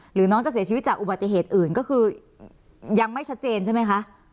หรือน้องจะเสียชีวิตจากอุบัติเหตุอื่นก็คือยังไม่ชัดเจนใช่ไหมคะ